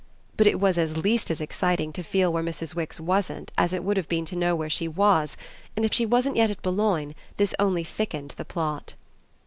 But it was at least as exciting to feel where Mrs. Wix wasn't as it would have been to know where she was, and if she wasn't yet at Boulogne this only thickened the plot.